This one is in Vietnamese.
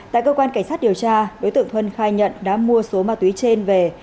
tại cơ quan cảnh sát điều tra đối tượng thuân khai nhận đã mua số ma túy trên về